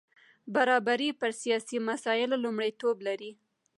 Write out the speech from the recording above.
برابري پر سیاسي مسایلو لومړیتوب لري.